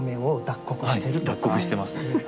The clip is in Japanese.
脱穀してますね。